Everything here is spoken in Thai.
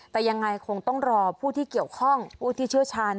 แต่ยังไงคงต้องรอผู้ที่เกี่ยวข้องผู้ที่เชี่ยวชาญ